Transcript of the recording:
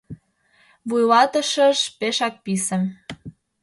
Вуйлатышыж пешак писе!